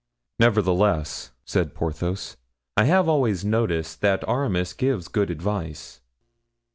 "Nevertheless," said Porthos, "I have always noticed that Aramis gives good advice."